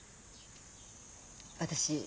私